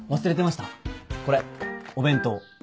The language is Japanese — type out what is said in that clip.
これお弁当。